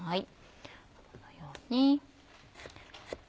このように。